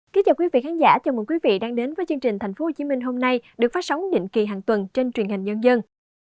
chào mừng quý vị đến với chương trình thành phố hồ chí minh hôm nay được phát sóng định kỳ hàng tuần trên truyền hình nhân dân